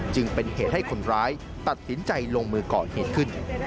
จึงเป็นเหตุให้คนร้ายตัดสินใจลงมือก่อเหตุขึ้น